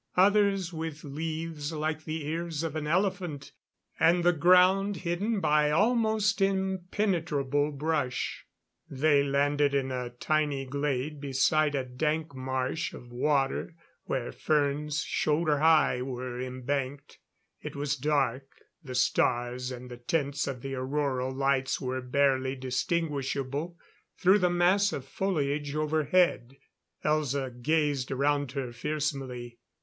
Others with leaves like the ears of an elephant. And the ground hidden by almost impenetrable underbrush. They had landed in a tiny glade beside a dank marsh of water, where ferns shoulder high were embanked. It was dark, the stars and the tints of the auroral lights were barely distinguishable through the mass of foliage overhead. Elza gazed around her fearsomely.